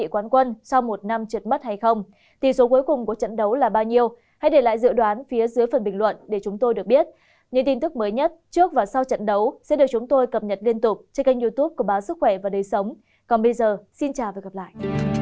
còn bây giờ xin chào và gặp lại